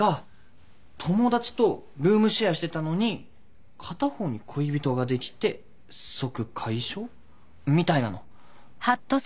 友達とルームシェアしてたのに片方に恋人ができて即解消みたいなの。